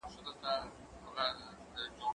دا بازار له هغه ښه دی؟!